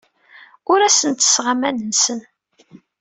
Ur asen-ttesseɣ aman-nsen.